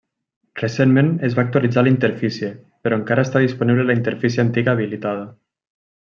Recentment es va actualitzar la interfície però encara està disponible la interfície antiga habilitada.